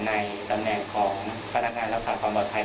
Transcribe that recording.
ในตำแหน่งของพนักงานรักษาความปลอดภัย